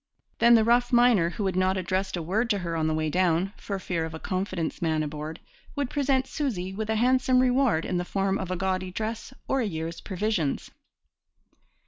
Then the rough miner, who had not addressed a word to her on the way down, for fear of a confidence man aboard, would present 'Susy' with a handsome reward in the form of a gaudy dress or a year's provisions.